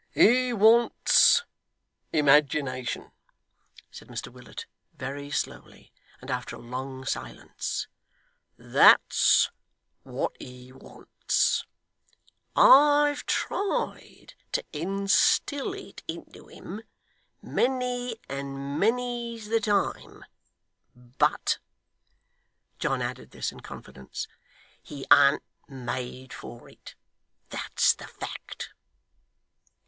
'He wants imagination,' said Mr Willet, very slowly, and after a long silence; 'that's what he wants. I've tried to instil it into him, many and many's the time; but' John added this in confidence 'he an't made for it; that's the fact.